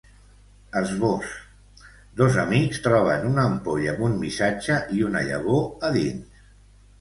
Esbós: Dos amics troben una ampolla amb un missatge i una llavor a dins.